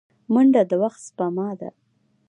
منډه د وخت سپما ده